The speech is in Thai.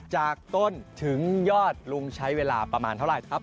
จากต้นถึงยอดลุงใช้เวลาประมาณเท่าไหร่ครับ